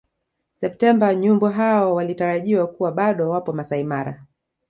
Septemba nyumbu hao walitarajiwa kuwa bado wapo Maasai Mara